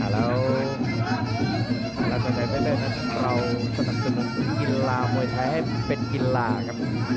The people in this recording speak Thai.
แล้วสำหรับสนับสนุนกีฬามวยใช้ให้เป็นกีฬาครับ